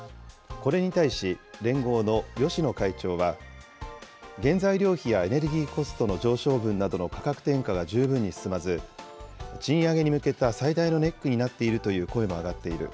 これに対し、連合の芳野会長は、原材料費やエネルギーコストの上昇分などの価格転嫁が十分に進まず、賃上げに向けた最大のネックになっているという声も上がっている。